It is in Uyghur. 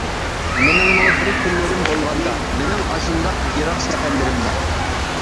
مېنىڭمۇ بىر كۈنلىرىم بولغاندا، مېنىڭ ئاشۇنداق يىراق سەپەرلىرىمدە.